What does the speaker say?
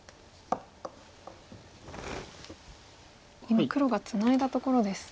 今黒がツナいだところです。